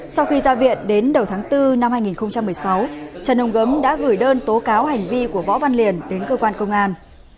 sau khi ra viện đến đầu tháng bốn năm hai nghìn một mươi sáu trần hồng gấm đã gửi đơn tố cáo hành vi của võ văn liền đến cơ quan công an